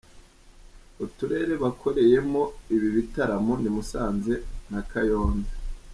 Uturere bakoreyemo ibi bitaramo ni Musanze na Kayonza.